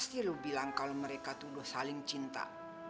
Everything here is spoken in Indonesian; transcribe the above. pasti lo bilang kalau mereka tuh lu saling cinta